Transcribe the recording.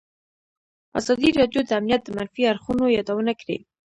ازادي راډیو د امنیت د منفي اړخونو یادونه کړې.